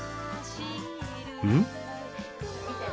うん？